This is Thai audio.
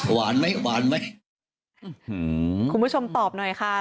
หวานไหมหวานไหมคุณผู้ชมตอบหน่อยค่ะ